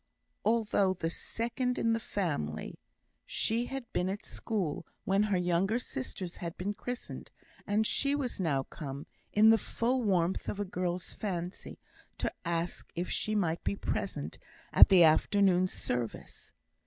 Although the second in the family, she had been at school when her younger sisters had been christened, and she was now come, in the full warmth of a girl's fancy, to ask if she might be present at the afternoon's service.